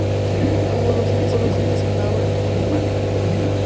Tuvo dos hijas y un hijo: Laura, Julia y Marco.